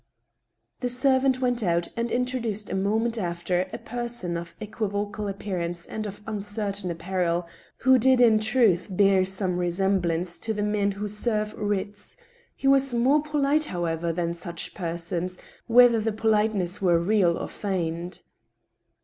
The servant went out, and introduced a moment after a person of equivocal appearance and of uncertain apparel, who did in truth bear some resemblance to the men who serve writs ; he was more polite, however, than' such persons, whether the politeness were real or feigned.